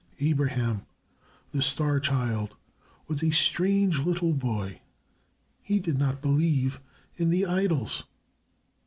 Abraham, the star child, was a strange little boy. He did not believe in the idols.